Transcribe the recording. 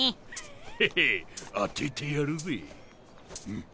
ヘヘ当ててやるぜ。